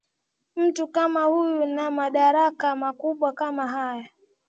mtu kama huyu na madaraka makubwa kama haya